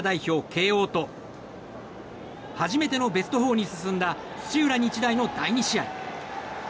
・慶應と初めてのベスト４に進んだ土浦日大の第２試合。